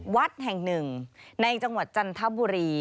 วัดแห่งหนึ่งในจังหวัดจันทบุรี